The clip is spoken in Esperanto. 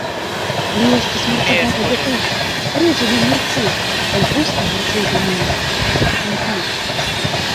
Li estis mortigata de Offa, reĝo de Mercia, kaj poste Mercia dominis East Anglia.